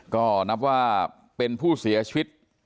ก็นับว่าเป็นผู้เสียชีวิต